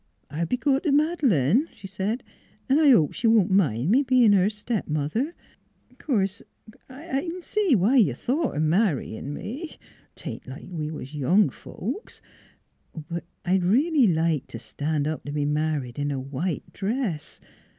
44 I'll be good t' Mad'lane," she said, " 'n' I hope she won't mind me bein' her stepmother. ... Course I I c'n see why you thought o' 356 NEIGHBORS marryin' me. ... 'Tain't like we was young folks. ... But I I'd redly like t' stan' up t' be married in a white dress.